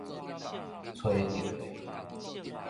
揣著